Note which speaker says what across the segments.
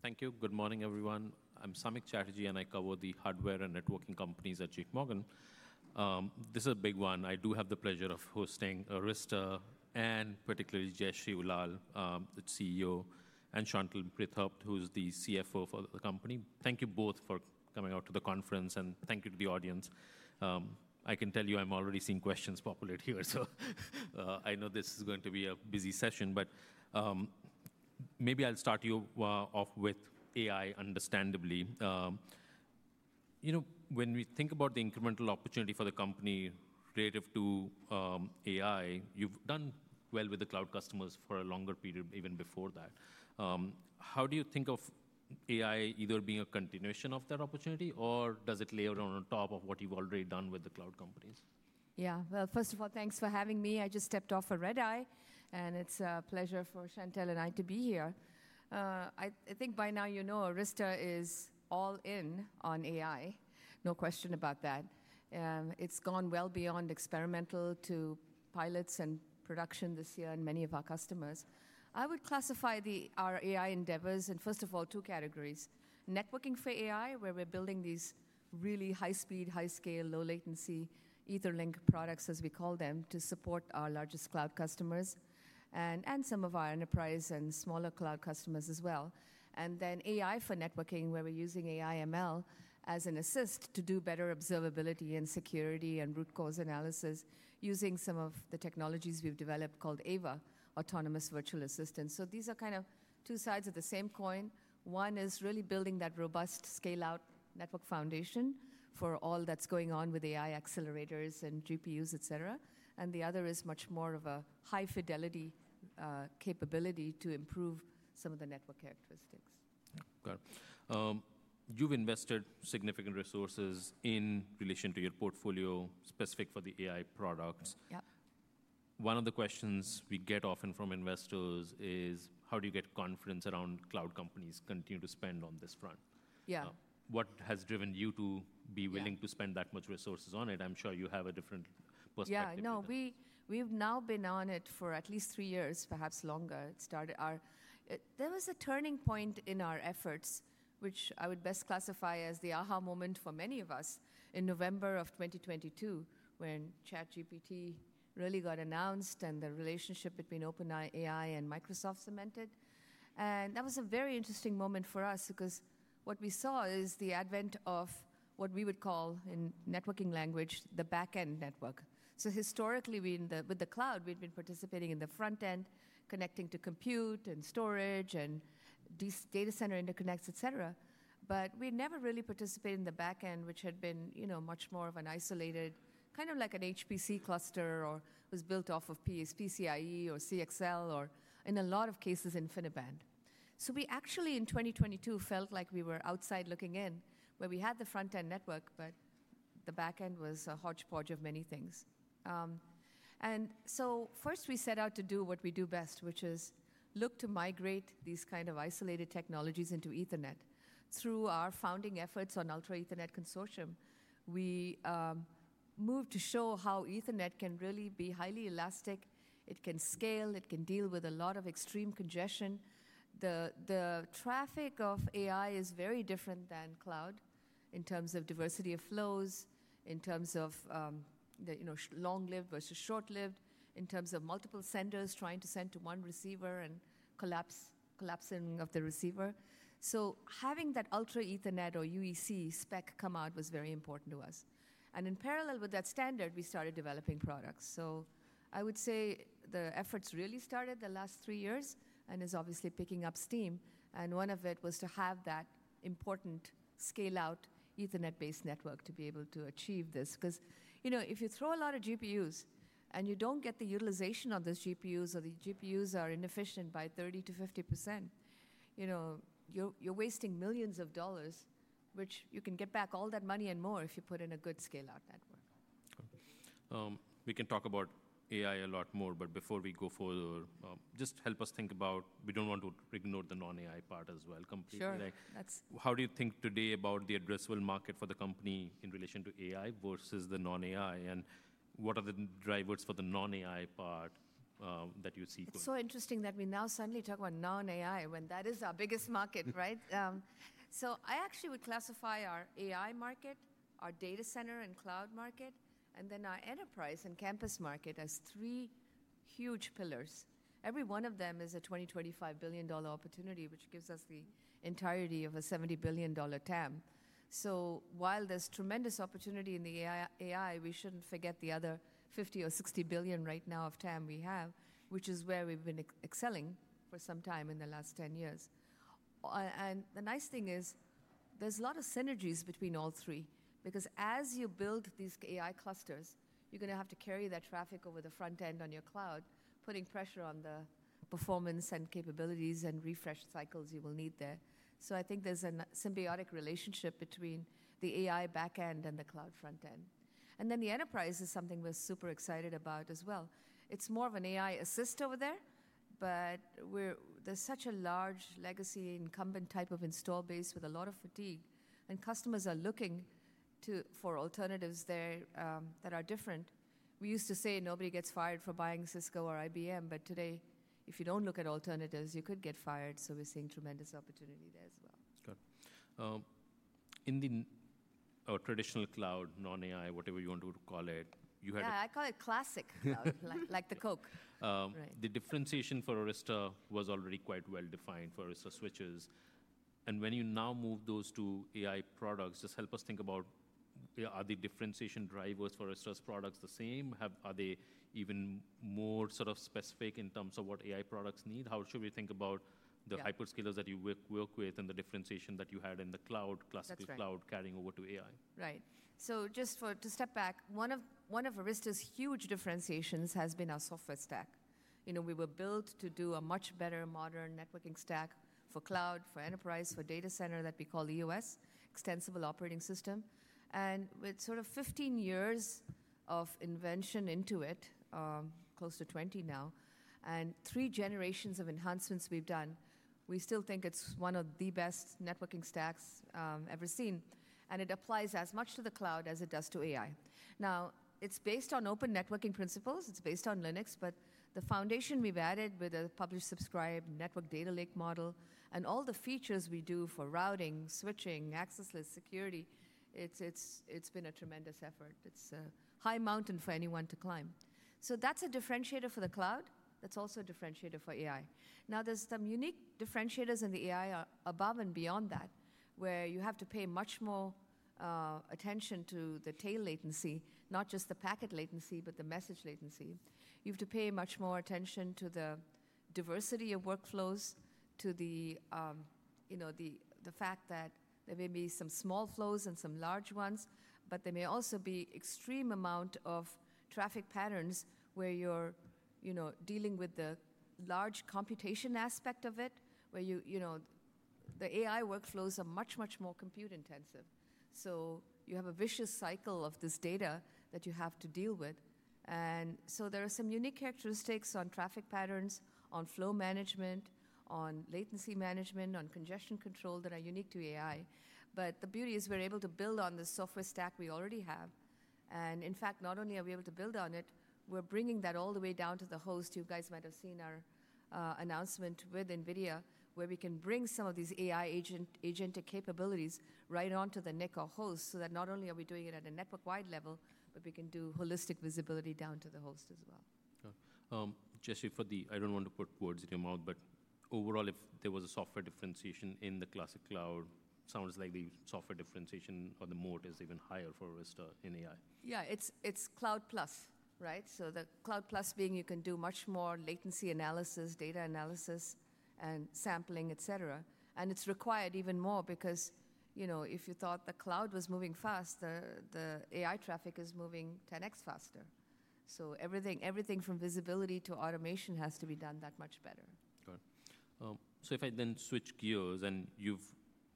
Speaker 1: Great. Thank you. Good morning, everyone. I'm Samik Chatterjee, and I cover the hardware and networking companies at JPMorgan. This is a big one. I do have the pleasure of hosting Arista and particularly Jayshree Ullal, the CEO, and Chantelle Breithaupt, who's the CFO for the company. Thank you both for coming out to the conference, and thank you to the audience. I can tell you I'm already seeing questions populate here, so I know this is going to be a busy session, but maybe I'll start you off with AI, understandably. You know, when we think about the incremental opportunity for the company relative to AI, you've done well with the cloud customers for a longer period, even before that. How do you think of AI either being a continuation of that opportunity, or does it layer on top of what you've already done with the cloud companies?
Speaker 2: Yeah. First of all, thanks for having me. I just stepped off a red eye, and it's a pleasure for Chantelle and I to be here. I think by now you know Arista is all in on AI, no question about that. It's gone well beyond experimental to pilots and production this year in many of our customers. I would classify our AI endeavors in, first of all, two categories: networking for AI, where we're building these really high-speed, high-scale, low-latency Etherlink products, as we call them, to support our largest cloud customers and some of our enterprise and smaller cloud customers as well. And then AI for networking, where we're using AI/ML as an assist to do better observability and security and root cause analysis using some of the technologies we've developed called AVA, Autonomous Virtual Assistants. These are kind of two sides of the same coin. One is really building that robust scale-out network foundation for all that's going on with AI accelerators and GPUs, et cetera. The other is much more of a high-fidelity, capability to improve some of the network characteristics.
Speaker 1: Got it. You've invested significant resources in relation to your portfolio specific for the AI products.
Speaker 2: Yep.
Speaker 1: One of the questions we get often from investors is, how do you get confidence around cloud companies continuing to spend on this front?
Speaker 2: Yeah.
Speaker 1: What has driven you to be willing to spend that much resources on it? I'm sure you have a different perspective.
Speaker 2: Yeah. No, we've now been on it for at least three years, perhaps longer. It started our—there was a turning point in our efforts, which I would best classify as the aha moment for many of us in November of 2022 when ChatGPT really got announced and the relationship between OpenAI and Microsoft cemented. That was a very interesting moment for us because what we saw is the advent of what we would call, in networking language, the backend network. Historically, with the cloud, we'd been participating in the frontend, connecting to compute and storage and data center interconnects, et cetera. We'd never really participated in the backend, which had been, you know, much more of an isolated, kind of like an HPC cluster or was built off of PCIe or CXL or, in a lot of cases, InfiniBand. We actually, in 2022, felt like we were outside looking in, where we had the frontend network, but the backend was a hodgepodge of many things. First, we set out to do what we do best, which is look to migrate these kind of isolated technologies into Ethernet. Through our founding efforts on Ultra Ethernet Consortium, we moved to show how Ethernet can really be highly elastic. It can scale. It can deal with a lot of extreme congestion. The traffic of AI is very different than cloud in terms of diversity of flows, in terms of, you know, long-lived versus short-lived, in terms of multiple senders trying to send to one receiver and collapsing of the receiver. Having that Ultra Ethernet or UEC spec come out was very important to us. In parallel with that standard, we started developing products. I would say the efforts really started the last three years and is obviously picking up steam. One of it was to have that important scale-out Ethernet-based network to be able to achieve this. Because, you know, if you throw a lot of GPUs and you do not get the utilization of those GPUs or the GPUs are inefficient by 30%-50%, you are wasting millions of dollars, which you can get back all that money and more if you put in a good scale-out network.
Speaker 1: We can talk about AI a lot more, but before we go further, just help us think about—we do not want to ignore the non-AI part as well.
Speaker 2: Sure.
Speaker 1: How do you think today about the addressable market for the company in relation to AI versus the non-AI? What are the drivers for the non-AI part, that you see?
Speaker 2: It's so interesting that we now suddenly talk about non-AI when that is our biggest market, right? I actually would classify our AI market, our data center and cloud market, and then our enterprise and campus market as three huge pillars. Every one of them is a $20 billion-$25 billion opportunity, which gives us the entirety of a $70 billion TAM. While there's tremendous opportunity in the AI, we shouldn't forget the other $50 billion or $60 billion right now of TAM we have, which is where we've been excelling for some time in the last 10 years. The nice thing is there's a lot of synergies between all three because as you build these AI clusters, you're going to have to carry that traffic over the frontend on your cloud, putting pressure on the performance and capabilities and refresh cycles you will need there. I think there's a symbiotic relationship between the AI backend and the cloud frontend. The enterprise is something we're super excited about as well. It's more of an AI assist over there, but there's such a large legacy incumbent type of install base with a lot of fatigue, and customers are looking for alternatives there that are different. We used to say nobody gets fired for buying Cisco or IBM, but today, if you don't look at alternatives, you could get fired. We're seeing tremendous opportunity there as well.
Speaker 1: Got it. In the traditional cloud, non-AI, whatever you want to call it, you had—
Speaker 2: Yeah, I call it classic cloud, like the Coke.
Speaker 1: The differentiation for Arista was already quite well defined for Arista switches. When you now move those to AI products, just help us think about, are the differentiation drivers for Arista's products the same? Are they even more sort of specific in terms of what AI products need? How should we think about the hyperscalers that you work with and the differentiation that you had in the cloud, classic cloud, carrying over to AI?
Speaker 2: Right. So just to step back, one of Arista's huge differentiations has been our software stack. You know, we were built to do a much better modern networking stack for cloud, for enterprise, for data center that we call EOS, Extensible Operating System. And with sort of 15 years of invention into it, close to 20 now, and three generations of enhancements we've done, we still think it's one of the best networking stacks, ever seen. It applies as much to the cloud as it does to AI. Now, it's based on open networking principles. It's based on Linux, but the foundation we've added with a publish subscribe network data lake model and all the features we do for routing, switching, access list security, it's been a tremendous effort. It's a high mountain for anyone to climb. That is a differentiator for the cloud. That's also a differentiator for AI. Now, there's some unique differentiators in the AI above and beyond that, where you have to pay much more attention to the tail latency, not just the packet latency, but the message latency. You have to pay much more attention to the diversity of workflows, to the, you know, the fact that there may be some small flows and some large ones, but there may also be an extreme amount of traffic patterns where you're, you know, dealing with the large computation aspect of it, where you, you know, the AI workflows are much, much more compute intensive. You have a vicious cycle of this data that you have to deal with. There are some unique characteristics on traffic patterns, on flow management, on latency management, on congestion control that are unique to AI. The beauty is we're able to build on the software stack we already have. In fact, not only are we able to build on it, we're bringing that all the way down to the host. You guys might have seen our announcement with NVIDIA, where we can bring some of these AI agentic capabilities right onto the NIC or host so that not only are we doing it at a network-wide level, but we can do holistic visibility down to the host as well.
Speaker 1: Jayshree, for the—I do not want to put words in your mouth, but overall, if there was a software differentiation in the classic cloud, it sounds like the software differentiation or the moat is even higher for Arista in AI.
Speaker 2: Yeah, it's cloud plus, right? The cloud plus being you can do much more latency analysis, data analysis, and sampling, et cetera. It's required even more because, you know, if you thought the cloud was moving fast, the AI traffic is moving 10x faster. Everything from visibility to automation has to be done that much better.
Speaker 1: Got it. If I then switch gears, and you've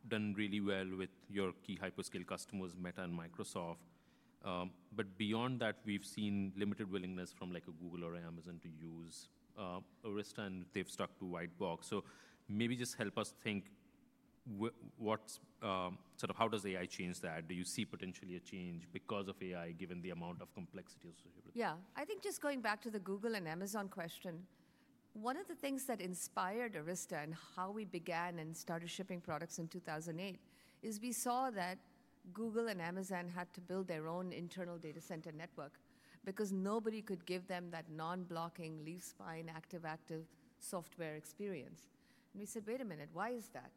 Speaker 1: done really well with your key hyperscale customers, Meta and Microsoft, but beyond that, we've seen limited willingness from, like, a Google or Amazon to use Arista, and they've stuck to white box. Maybe just help us think what's—um, sort of how does AI change that? Do you see potentially a change because of AI, given the amount of complexity associated with it?
Speaker 2: Yeah. I think just going back to the Google and Amazon question, one of the things that inspired Arista and how we began and started shipping products in 2008 is we saw that Google and Amazon had to build their own internal data center network because nobody could give them that non-blocking leaf spine active-active software experience. We said, wait a minute, why is that?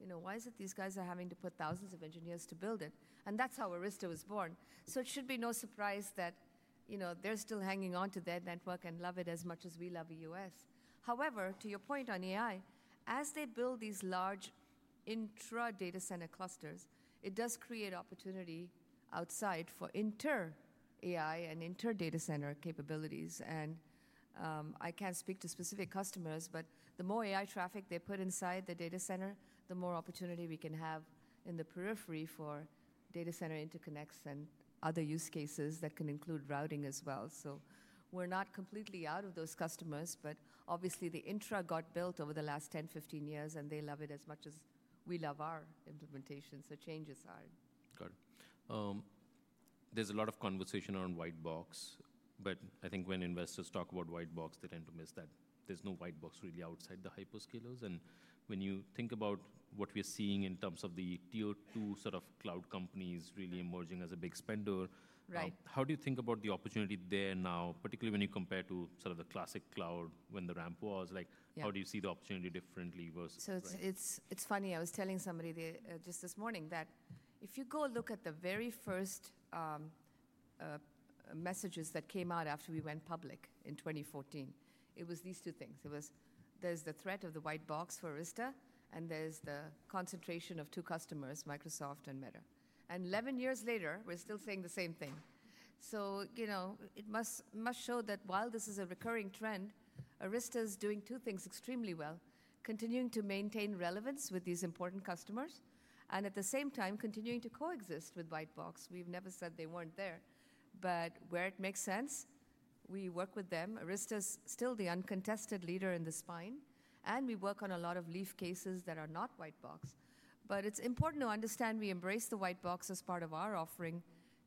Speaker 2: You know, why is it these guys are having to put thousands of engineers to build it? That is how Arista was born. It should be no surprise that, you know, they are still hanging on to their network and love it as much as we love EOS. However, to your point on AI, as they build these large intra-data center clusters, it does create opportunity outside for inter-AI and inter-data center capabilities. I can't speak to specific customers, but the more AI traffic they put inside the data center, the more opportunity we can have in the periphery for data center interconnects and other use cases that can include routing as well. We're not completely out of those customers, but obviously the intra got built over the last 10years-15 years, and they love it as much as we love our implementation. Changes are.
Speaker 1: Got it. There's a lot of conversation around white box, but I think when investors talk about white box, they tend to miss that there's no white box really outside the hyperscalers. And when you think about what we're seeing in terms of the tier two sort of cloud companies really emerging as a big spender, how do you think about the opportunity there now, particularly when you compare to sort of the classic cloud when the ramp was? Like, how do you see the opportunity differently versus?
Speaker 2: It's funny. I was telling somebody just this morning that if you go look at the very first messages that came out after we went public in 2014, it was these two things. It was, there's the threat of the white box for Arista, and there's the concentration of two customers, Microsoft and Meta. And 11 years later, we're still saying the same thing. You know, it must show that while this is a recurring trend, Arista is doing two things extremely well: continuing to maintain relevance with these important customers and at the same time continuing to coexist with white box. We've never said they weren't there, but where it makes sense, we work with them. Arista is still the uncontested leader in the spine, and we work on a lot of leaf cases that are not white box. It is important to understand we embrace the white box as part of our offering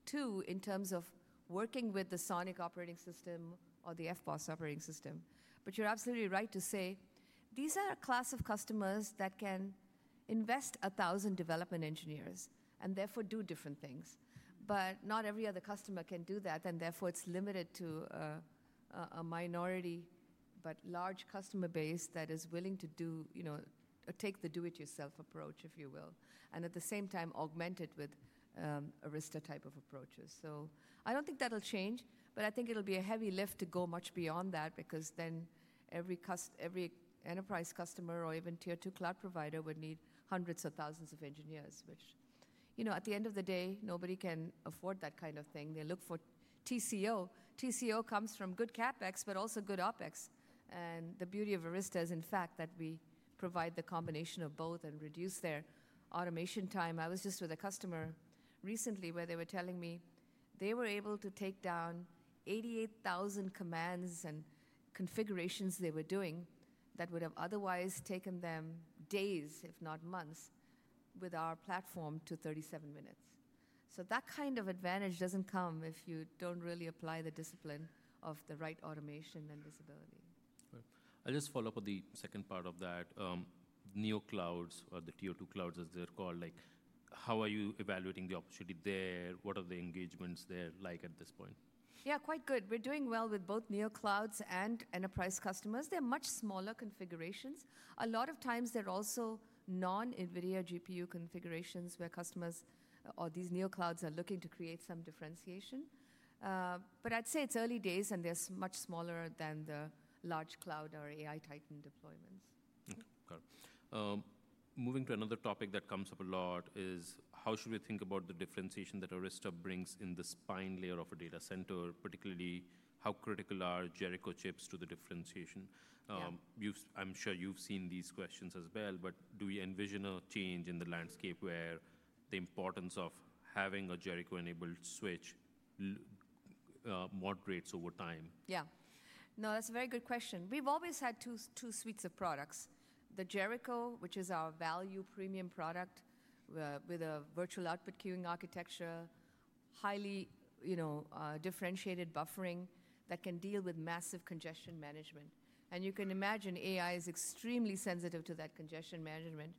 Speaker 2: too in terms of working with the SONiC operating system or the FBOS operating system. You are absolutely right to say these are a class of customers that can invest 1,000 development engineers and therefore do different things. Not every other customer can do that, and therefore it is limited to a minority, but large customer base that is willing to do, you know, take the do-it-yourself approach, if you will, and at the same time augment it with Arista type of approaches. I don't think that'll change, but I think it'll be a heavy lift to go much beyond that because then every enterprise customer or even tier two cloud provider would need hundreds of thousands of engineers, which, you know, at the end of the day, nobody can afford that kind of thing. They look for TCO. TCO comes from good CapEx, but also good OpEx. The beauty of Arista is, in fact, that we provide the combination of both and reduce their automation time. I was just with a customer recently where they were telling me they were able to take down 88,000 commands and configurations they were doing that would have otherwise taken them days, if not months, with our platform to 37 minutes. That kind of advantage doesn't come if you don't really apply the discipline of the right automation and visibility.
Speaker 1: I'll just follow up on the second part of that. NeoClouds or the tier two clouds, as they're called, like, how are you evaluating the opportunity there? What are the engagements there like at this point?
Speaker 2: Yeah, quite good. We're doing well with both NeoClouds and enterprise customers. They're much smaller configurations. A lot of times they're also non-NVIDIA GPU configurations where customers or these NeoClouds are looking to create some differentiation. I'd say it's early days and they're much smaller than the large cloud or AI-tightened deployments.
Speaker 1: Got it. Moving to another topic that comes up a lot is how should we think about the differentiation that Arista brings in the spine layer of a data center, particularly how critical are Jericho chips to the differentiation? I'm sure you've seen these questions as well, but do we envision a change in the landscape where the importance of having a Jericho-enabled switch moderates over time?
Speaker 2: Yeah. No, that's a very good question. We've always had two suites of products: the Jericho, which is our value premium product with a virtual output queuing architecture, highly, you know, differentiated buffering that can deal with massive congestion management. And you can imagine AI is extremely sensitive to that congestion management.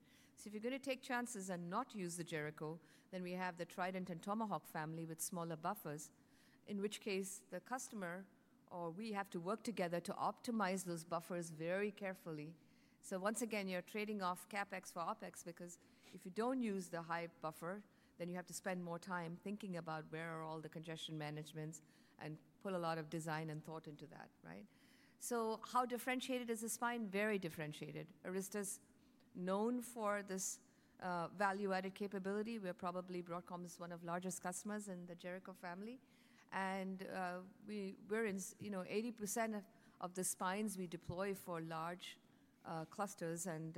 Speaker 2: If you're going to take chances and not use the Jericho, then we have the Trident and Tomahawk family with smaller buffers, in which case the customer or we have to work together to optimize those buffers very carefully. Once again, you're trading off CapEx for OpEx because if you don't use the high buffer, then you have to spend more time thinking about where are all the congestion managements and put a lot of design and thought into that, right? How differentiated is the spine? Very differentiated. Arista is known for this value-added capability. We're probably, Broadcom is one of the largest customers in the Jericho family. And we're in, you know, 80% of the spines we deploy for large clusters and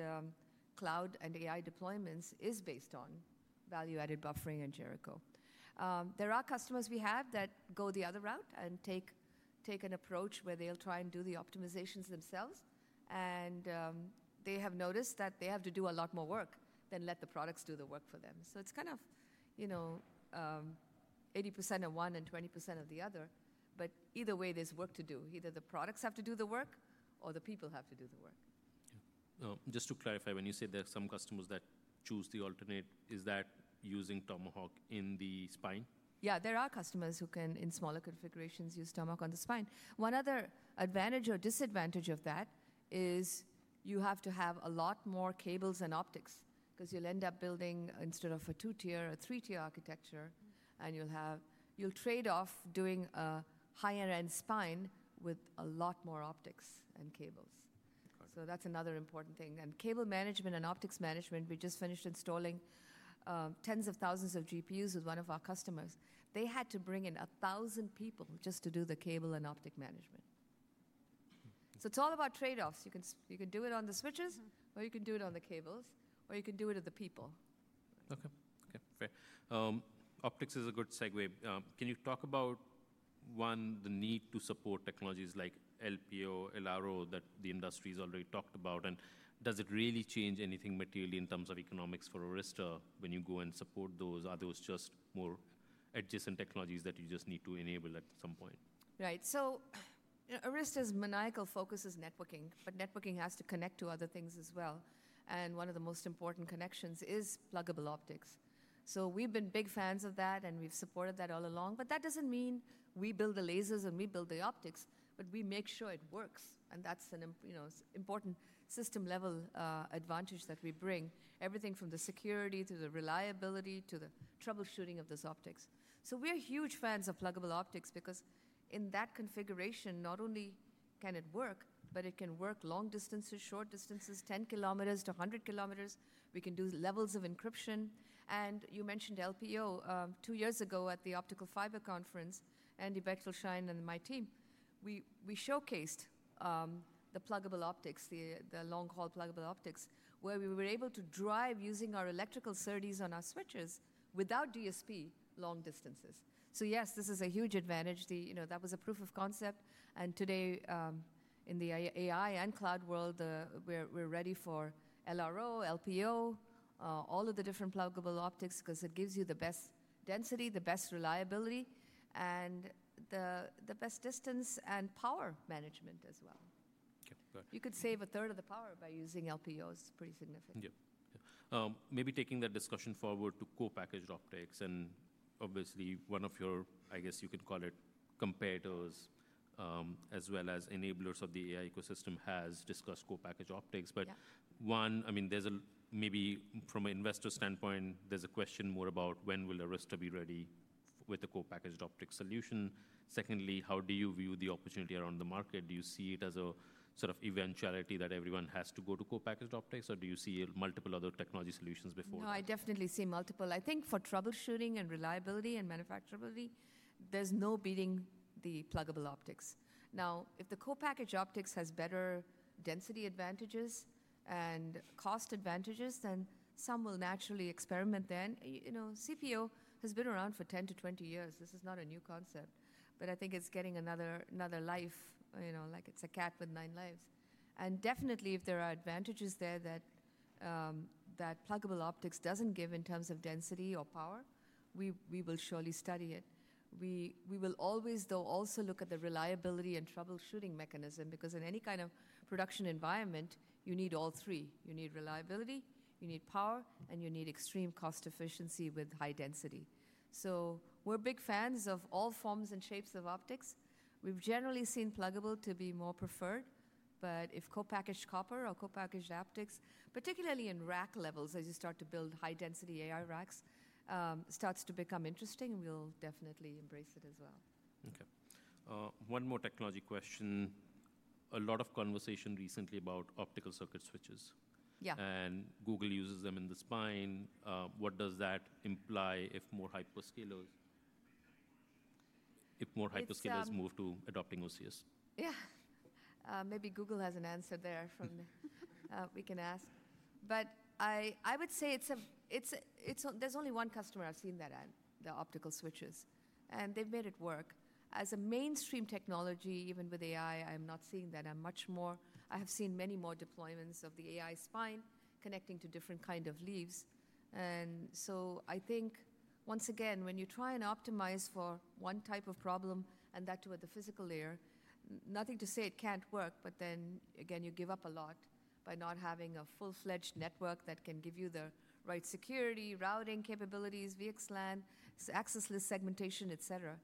Speaker 2: cloud and AI deployments is based on value-added buffering and Jericho. There are customers we have that go the other route and take an approach where they'll try and do the optimizations themselves. And they have noticed that they have to do a lot more work than let the products do the work for them. So it's kind of, you know, 80% of one and 20% of the other, but either way, there's work to do. Either the products have to do the work or the people have to do the work.
Speaker 1: Yeah. Just to clarify, when you say there are some customers that choose the alternate, is that using Tomahawk in the spine?
Speaker 2: Yeah, there are customers who can, in smaller configurations, use Tomahawk on the spine. One other advantage or disadvantage of that is you have to have a lot more cables and optics because you'll end up building instead of a two-tier or three-tier architecture, and you'll trade off doing a higher-end spine with a lot more optics and cables. That's another important thing. Cable management and optics management, we just finished installing tens of thousands of GPUs with one of our customers. They had to bring in 1,000 people just to do the cable and optic management. It's all about trade-offs. You can do it on the switches, or you can do it on the cables, or you can do it at the people.
Speaker 1: Okay. Okay. Fair. Optics is a good segue. Can you talk about, one, the need to support technologies like LPO, LRO that the industry has already talked about? Does it really change anything materially in terms of economics for Arista when you go and support those? Are those just more adjacent technologies that you just need to enable at some point?
Speaker 2: Right. Arista's maniacal focus is networking, but networking has to connect to other things as well. One of the most important connections is pluggable optics. We've been big fans of that, and we've supported that all along. That does not mean we build the lasers and we build the optics, but we make sure it works. That is an important system-level advantage that we bring, everything from the security to the reliability to the troubleshooting of those optics. We're huge fans of pluggable optics because in that configuration, not only can it work, but it can work long distances, short distances, 10 kilometers-100 kilometers. We can do levels of encryption. You mentioned LPO. Two years ago at the Optical Fiber Conference, Andy Bechtolsheim and my team, we showcased the pluggable optics, the long-haul pluggable optics, where we were able to drive using our electrical SerDes on our switches without DSP long distances. Yes, this is a huge advantage. That was a proof of concept. Today, in the AI and cloud world, we're ready for LRO, LPO, all of the different pluggable optics because it gives you the best density, the best reliability, and the best distance and power management as well. You could save a third of the power by using LPOs. It's pretty significant.
Speaker 1: Yeah. Maybe taking that discussion forward to co-packaged optics. Obviously, one of your, I guess you can call it competitors, as well as enablers of the AI ecosystem, has discussed co-packaged optics. I mean, maybe from an investor standpoint, there's a question more about when will Arista be ready with a co-packaged optics solution. Secondly, how do you view the opportunity around the market? Do you see it as a sort of eventuality that everyone has to go to co-packaged optics, or do you see multiple other technology solutions before?
Speaker 2: No, I definitely see multiple. I think for troubleshooting and reliability and manufacturability, there's no beating the pluggable optics. Now, if the co-packaged optics has better density advantages and cost advantages, then some will naturally experiment then. You know, CPO has been around for 10 years-20 years. This is not a new concept, but I think it's getting another life, you know, like it's a cat with nine lives. And definitely, if there are advantages there that pluggable optics doesn't give in terms of density or power, we will surely study it. We will always, though, also look at the reliability and troubleshooting mechanism because in any kind of production environment, you need all three. You need reliability, you need power, and you need extreme cost efficiency with high density. We're big fans of all forms and shapes of optics. We've generally seen pluggable to be more preferred, but if co-packaged copper or co-packaged optics, particularly in rack levels, as you start to build high-density AI racks, starts to become interesting, we'll definitely embrace it as well.
Speaker 1: Okay. One more technology question. A lot of conversation recently about optical circuit switches.
Speaker 2: Yeah.
Speaker 1: Google uses them in the spine. What does that imply if more hyperscalers move to adopting OCS?
Speaker 2: Yeah. Maybe Google has an answer there from we can ask. I would say there's only one customer I've seen that add the optical switches, and they've made it work. As a mainstream technology, even with AI, I'm not seeing that. I have seen many more deployments of the AI spine connecting to different kinds of leaves. I think, once again, when you try and optimize for one type of problem and that to the physical layer, nothing to say it can't work, but then again, you give up a lot by not having a full-fledged network that can give you the right security, routing capabilities, VXLAN, access list segmentation, et cetera.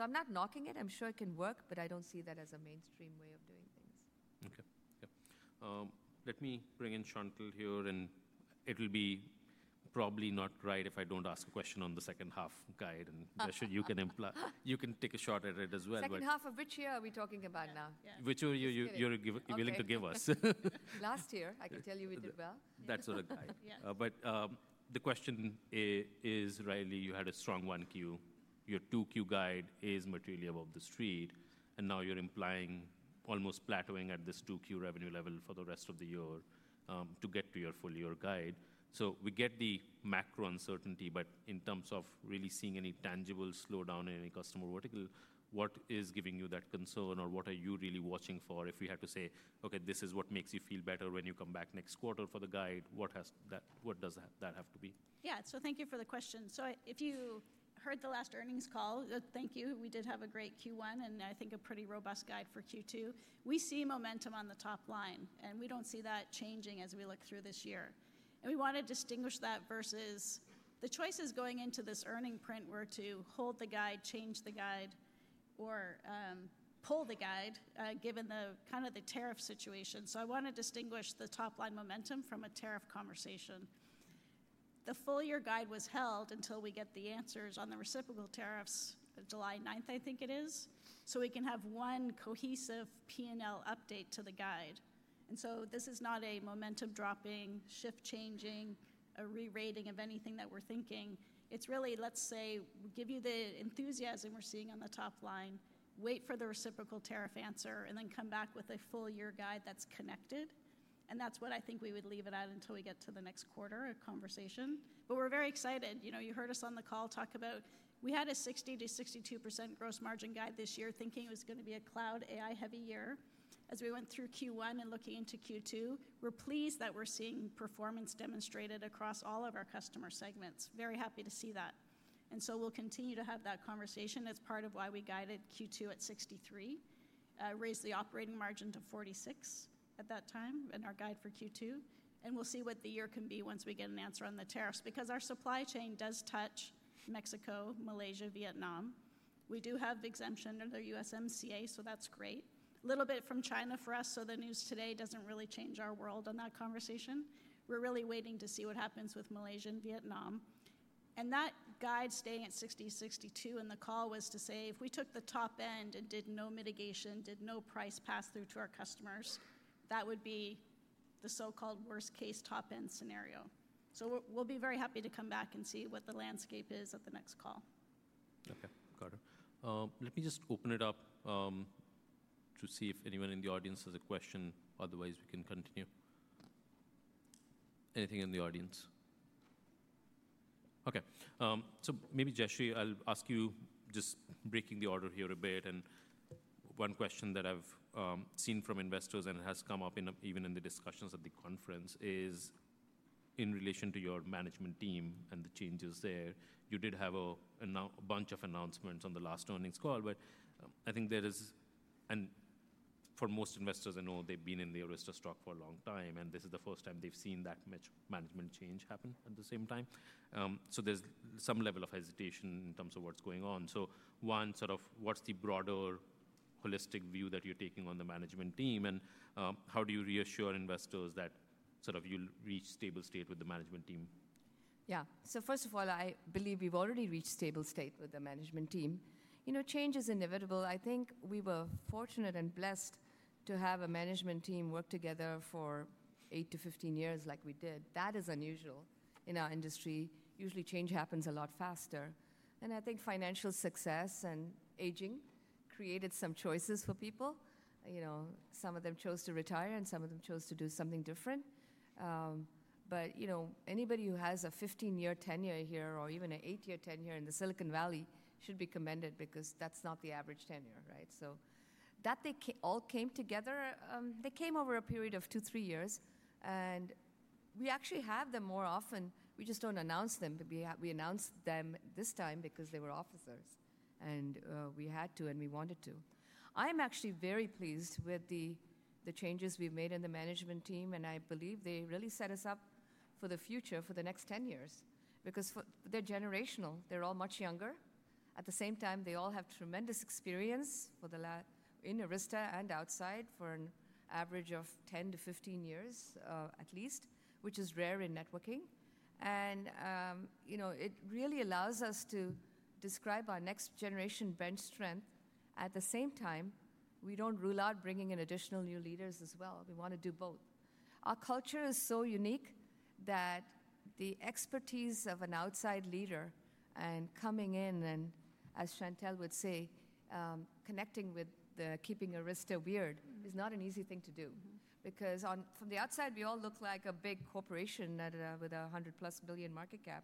Speaker 2: I'm not knocking it. I'm sure it can work, but I don't see that as a mainstream way of doing things.
Speaker 1: Okay. Yeah. Let me bring in Chantelle here, and it'll be probably not right if I don't ask a question on the second half guide, and you can take a shot at it as well.
Speaker 2: Second half of which year are we talking about now?
Speaker 1: Which year you're willing to give us?
Speaker 2: Last year. I can tell you we did well.
Speaker 1: That's what I got. The question is, really, you had a strong Q1. Your 2Q guide is materially above the Street, and now you're implying almost plateauing at this 2Q revenue level for the rest of the year to get to your full year guide. We get the macro uncertainty, but in terms of really seeing any tangible slowdown in any customer vertical, what is giving you that concern, or what are you really watching for if we had to say, okay, this is what makes you feel better when you come back next quarter for the guide? What does that have to be?
Speaker 3: Yeah. So thank you for the question. If you heard the last earnings call, thank you. We did have a great Q1 and I think a pretty robust guide for Q2. We see momentum on the top line, and we do not see that changing as we look through this year. We want to distinguish that versus the choices going into this earning print were to hold the guide, change the guide, or pull the guide given the kind of the tariff situation. I want to distinguish the top line momentum from a tariff conversation. The full year guide was held until we get the answers on the reciprocal tariffs, July 9th, I think it is, so we can have one cohesive P&L update to the guide. This is not a momentum dropping, shift changing, a re-rating of anything that we are thinking. It's really, let's say, we'll give you the enthusiasm we're seeing on the top line, wait for the reciprocal tariff answer, and then come back with a full year guide that's connected. That's what I think we would leave it at until we get to the next quarter of conversation. We're very excited. You know, you heard us on the call talk about we had a 60%-62% gross margin guide this year, thinking it was going to be a cloud AI-heavy year. As we went through Q1 and looking into Q2, we're pleased that we're seeing performance demonstrated across all of our customer segments. Very happy to see that. We'll continue to have that conversation. It's part of why we guided Q2 at 63%, raised the operating margin to 46% at that time in our guide for Q2. We will see what the year can be once we get an answer on the tariffs because our supply chain does touch Mexico, Malaysia, Vietnam. We do have exemption under the USMCA, so that's great. A little bit from China for us, so the news today does not really change our world on that conversation. We are really waiting to see what happens with Malaysia and Vietnam. That guide staying at 60%-62% in the call was to say if we took the top end and did no mitigation, did no price pass through to our customers, that would be the so-called worst-case top-end scenario. We will be very happy to come back and see what the landscape is at the next call.
Speaker 1: Okay. Got it. Let me just open it up to see if anyone in the audience has a question, otherwise we can continue. Anything in the audience? Okay. Maybe, Jayshree, I'll ask you, just breaking the order here a bit. One question that I've seen from investors and has come up even in the discussions at the conference is in relation to your management team and the changes there. You did have a bunch of announcements on the last earnings call, but I think there is, and for most investors, I know they've been in the Arista stock for a long time, and this is the first time they've seen that much management change happen at the same time. There is some level of hesitation in terms of what's going on. One, sort of what's the broader holistic view that you're taking on the management team, and how do you reassure investors that sort of you'll reach stable state with the management team?
Speaker 2: Yeah. So first of all, I believe we've already reached stable state with the management team. You know, change is inevitable. I think we were fortunate and blessed to have a management team work together for 8 years-15 years like we did. That is unusual in our industry. Usually, change happens a lot faster. I think financial success and aging created some choices for people. You know, some of them chose to retire, and some of them chose to do something different. You know, anybody who has a 15-year tenure here or even an eight-year tenure in the Silicon Valley should be commended because that's not the average tenure, right? That all came together. They came over a period of two, three years, and we actually have them more often. We just do not announce them, but we announced them this time because they were officers, and we had to, and we wanted to. I am actually very pleased with the changes we have made in the management team, and I believe they really set us up for the future for the next 10 years because they are generational. They are all much younger. At the same time, they all have tremendous experience in Arista and outside for an average of 10 years-15 years at least, which is rare in networking. You know, it really allows us to describe our next generation bench strength. At the same time, we do not rule out bringing in additional new leaders as well. We want to do both. Our culture is so unique that the expertise of an outside leader and coming in, and as Chantelle would say, connecting with the keeping Arista weird is not an easy thing to do because from the outside, we all look like a big corporation with a $100 billion-plus market cap.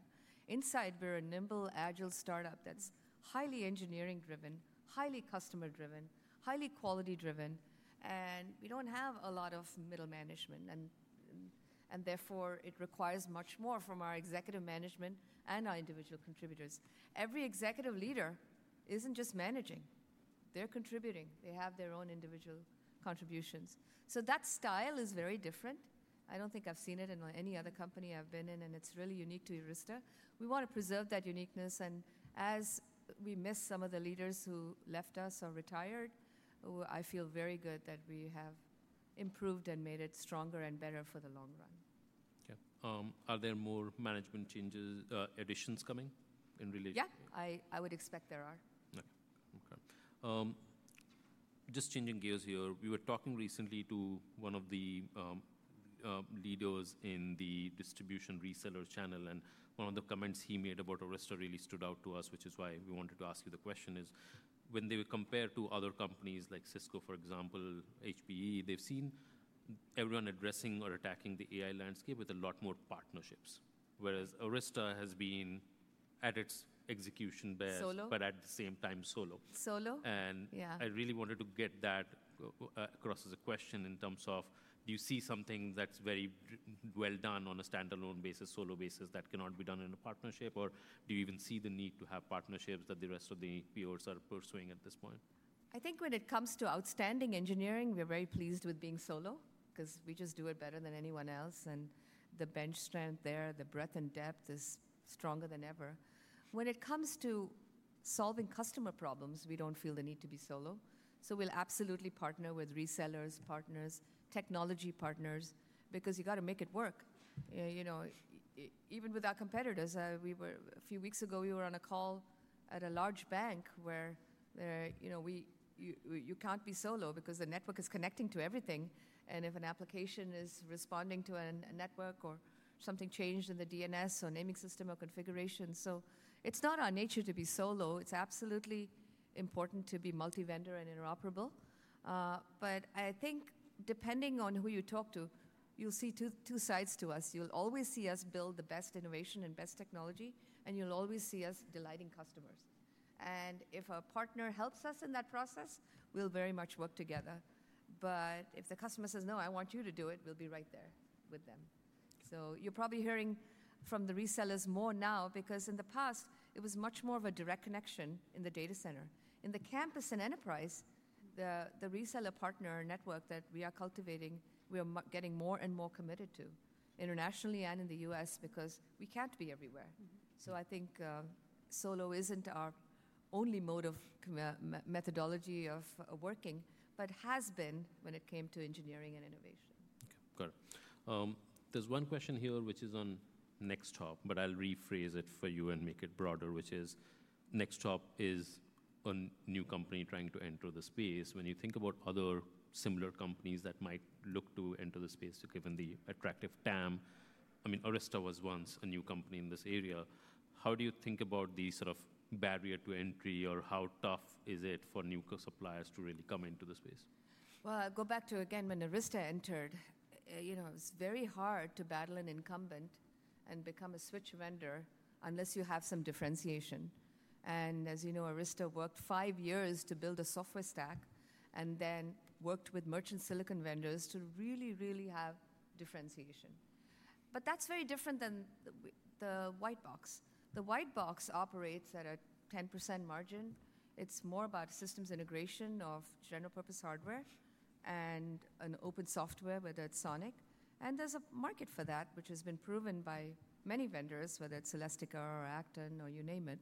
Speaker 2: Inside, we're a nimble, agile startup that's highly engineering-driven, highly customer-driven, highly quality-driven, and we do not have a lot of middle management, and therefore, it requires much more from our executive management and our individual contributors. Every executive leader is not just managing. They are contributing. They have their own individual contributions. That style is very different. I do not think I have seen it in any other company I have been in, and it is really unique to Arista. We want to preserve that uniqueness. As we miss some of the leaders who left us or retired, I feel very good that we have improved and made it stronger and better for the long run.
Speaker 1: Yeah. Are there more management changes, additions coming in relation?
Speaker 2: Yeah, I would expect there are.
Speaker 1: Okay. Okay. Just changing gears here. We were talking recently to one of the leaders in the distribution reseller channel, and one of the comments he made about Arista really stood out to us, which is why we wanted to ask you the question is when they were compared to other companies like Cisco, for example, HPE, they've seen everyone addressing or attacking the AI landscape with a lot more partnerships, whereas Arista has been at its execution best.
Speaker 2: Solo.
Speaker 1: At the same time, solo.
Speaker 2: Solo.
Speaker 1: I really wanted to get that across as a question in terms of do you see something that's very well done on a standalone basis, solo basis that cannot be done in a partnership, or do you even see the need to have partnerships that the rest of the peers are pursuing at this point?
Speaker 2: I think when it comes to outstanding engineering, we're very pleased with being solo because we just do it better than anyone else. The bench strength there, the breadth and depth is stronger than ever. When it comes to solving customer problems, we don't feel the need to be solo. We'll absolutely partner with resellers, partners, technology partners because you got to make it work. You know, even with our competitors, a few weeks ago, we were on a call at a large bank where you can't be solo because the network is connecting to everything. If an application is responding to a network or something changed in the DNS or naming system or configuration. It's not our nature to be solo. It's absolutely important to be multi-vendor and interoperable. I think depending on who you talk to, you'll see two sides to us. You'll always see us build the best innovation and best technology, and you'll always see us delighting customers. If a partner helps us in that process, we'll very much work together. If the customer says, "No, I want you to do it," we'll be right there with them. You're probably hearing from the resellers more now because in the past, it was much more of a direct connection in the data center. In the campus and enterprise, the reseller partner network that we are cultivating, we are getting more and more committed to internationally and in the US because we can't be everywhere. I think solo isn't our only mode of methodology of working, but has been when it came to engineering and innovation.
Speaker 1: Okay. Got it. There's one question here, which is on Nexthop, but I'll rephrase it for you and make it broader, which is Nexthop is a new company trying to enter the space. When you think about other similar companies that might look to enter the space, given the attractive TAM, I mean, Arista was once a new company in this area. How do you think about the sort of barrier to entry or how tough is it for new suppliers to really come into the space?
Speaker 2: I'll go back to, again, when Arista entered, you know, it was very hard to battle an incumbent and become a switch vendor unless you have some differentiation. As you know, Arista worked five years to build a software stack and then worked with merchant silicon vendors to really, really have differentiation. That's very different than the white box. The white box operates at a 10% margin. It's more about systems integration of general purpose hardware and an open software, whether it's SONiC. There's a market for that, which has been proven by many vendors, whether it's Celestica or Act-On or you name it.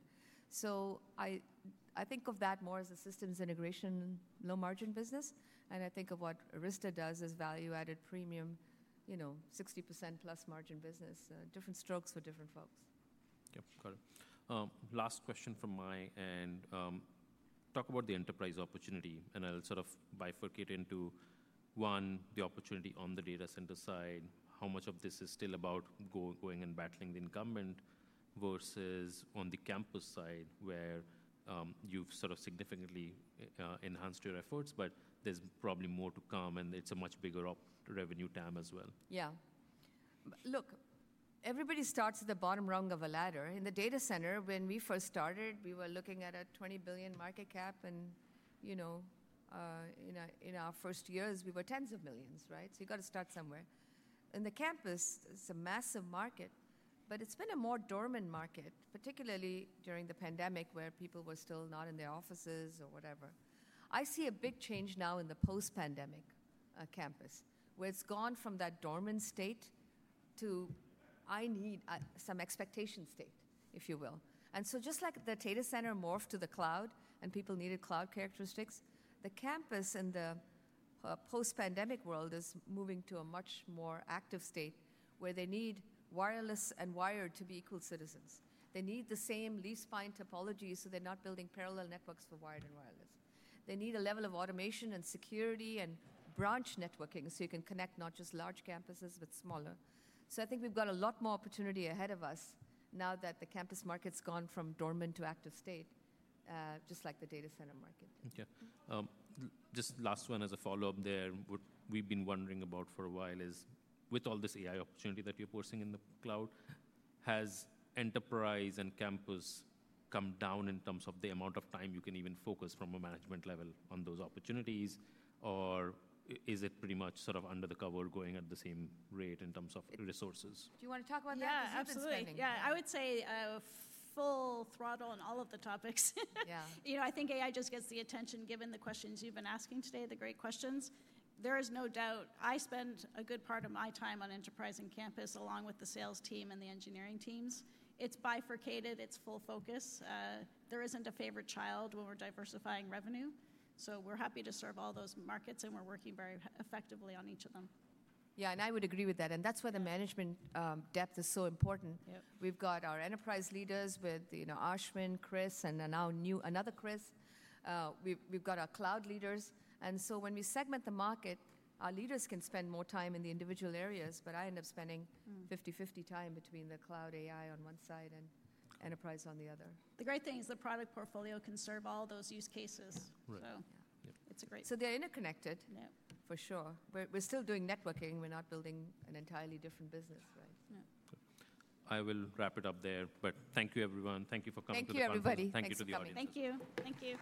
Speaker 2: I think of that more as a systems integration low margin business. I think of what Arista does as value added premium, you know, 60%+ margin business, different strokes for different folks.
Speaker 1: Yep. Got it. Last question from my end. Talk about the enterprise opportunity, and I'll sort of bifurcate into one, the opportunity on the data center side. How much of this is still about going and battling the incumbent versus on the campus side where you've sort of significantly enhanced your efforts, but there's probably more to come and it's a much bigger revenue TAM as well.
Speaker 2: Yeah. Look, everybody starts at the bottom rung of a ladder. In the data center, when we first started, we were looking at a $20 billion market cap. And you know, in our first years, we were tens of millions, right? So you got to start somewhere. In the campus, it's a massive market, but it's been a more dormant market, particularly during the pandemic where people were still not in their offices or whatever. I see a big change now in the post-pandemic campus where it's gone from that dormant state to I need some expectation state, if you will. Just like the data center morphed to the cloud and people needed cloud characteristics, the campus in the post-pandemic world is moving to a much more active state where they need wireless and wired to be equal citizens. They need the same leaf spine topology so they're not building parallel networks for wired and wireless. They need a level of automation and security and branch networking so you can connect not just large campuses but smaller. I think we've got a lot more opportunity ahead of us now that the campus market's gone from dormant to active state, just like the data center market.
Speaker 1: Yeah. Just last one as a follow-up there, what we've been wondering about for a while is with all this AI opportunity that you're pursuing in the cloud, has enterprise and campus come down in terms of the amount of time you can even focus from a management level on those opportunities, or is it pretty much sort of under the cover going at the same rate in terms of resources?
Speaker 2: Do you want to talk about that?
Speaker 3: Yeah, absolutely. Yeah, I would say full throttle on all of the topics. You know, I think AI just gets the attention given the questions you've been asking today, the great questions. There is no doubt I spend a good part of my time on enterprise and campus along with the sales team and the engineering teams. It's bifurcated. It's full focus. There isn't a favorite child when we're diversifying revenue. So we're happy to serve all those markets, and we're working very effectively on each of them.
Speaker 2: Yeah, and I would agree with that. That's why the management depth is so important. We've got our enterprise leaders with, you know, Ashwin, Chris, and now another Chris. We've got our cloud leaders. When we segment the market, our leaders can spend more time in the individual areas, but I end up spending 50-50 time between the cloud AI on one side and enterprise on the other.
Speaker 3: The great thing is the product portfolio can serve all those use cases. It is a great thing.
Speaker 2: They are interconnected, for sure. We are still doing networking. We are not building an entirely different business, right?
Speaker 1: I will wrap it up there, but thank you, everyone. Thank you for coming to the panel.
Speaker 2: Thank you, everybody.
Speaker 1: Thank you to the audience.
Speaker 3: Thank you. Thank you.